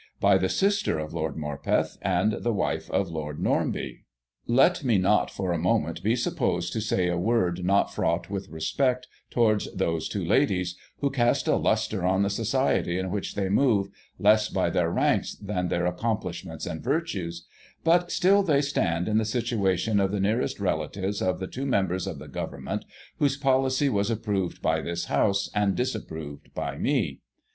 By the sister of Lord Morpeth, and the wife of Lord Normanby. Let me not, for a moment, be supposed to say a word not fraught with respect towards those two ladies, who cast a lustre on the society in which they move, less by their rank than their accomplishments and virtues ; but still, they stand in the situation of the nearest relatives of the two Members of the Government, whose f)olicy was ai>proved by this House, and disapproved by me.